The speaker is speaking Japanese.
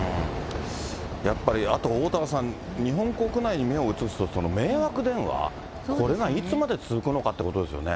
やっぱり、おおたわさん、日本国内に目を移すと、迷惑電話、これがいつまで続くのかっていうことですよね。